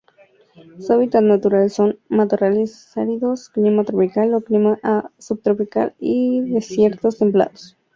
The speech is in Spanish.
Su hábitat natural son: matorrales áridos, Clima tropical o Clima subtropical y desiertos templados.